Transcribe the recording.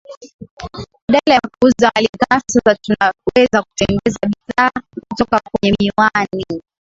Badala ya kuuza mali ghafi sasa tunaweza kutengeneza bidhaa kutoka kwenye mwani